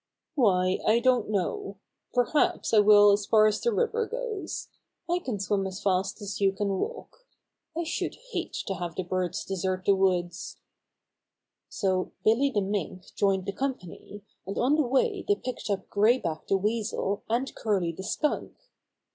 "Why, I don't know. Perhaps I will as far as the river goes. I can swim as fast as you can walk. I should hate to have the birds desert the woods." Bobby Finds Plenty of Help 95 So Billy the Mink joined the company, and on the way they picked up Gray Back the Weasel and Curly the Skunk.